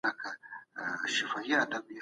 سیاستوال د بشري کرامت ساتلو لپاره څه پلي کوي؟